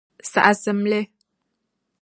Saɣisimi li.